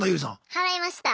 払いました。